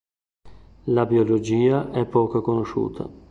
La biologia è poco conosciuta.